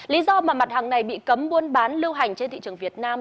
lý do mà mặt hàng này bị cấm buôn bán lưu hành trên thị trường việt nam